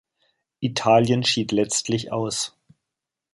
Italien schied letztlich aus.